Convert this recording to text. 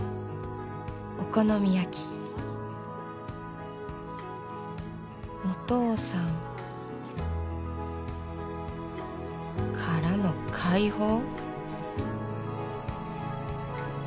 お好み焼きお父さんからの解放？